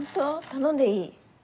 頼んでいい？